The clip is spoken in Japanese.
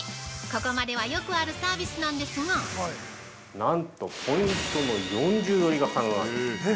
ここまではよくあるサービスなんですが◆なんと、ポイントの４重取りが可能なんです。